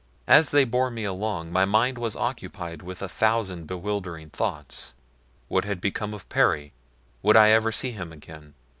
As they bore me along, my mind was occupied with a thousand bewildering thoughts. What had become of Perry? Would I ever see him again?